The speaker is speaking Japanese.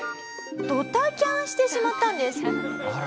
ドタキャンしてしまったんです。